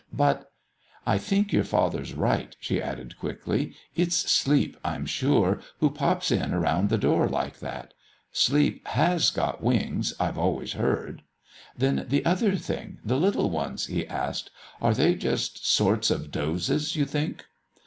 But " "I think your father's right," she added quickly. "It's Sleep, I'm sure, who pops in round the door like that. Sleep has got wings, I've always heard." "Then the other thing the little ones?" he asked. "Are they just sorts of dozes, you think?"